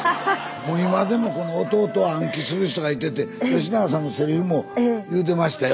もう今でもこの「おとうと」を暗記する人がいてて吉永さんのセリフも言うてましたよ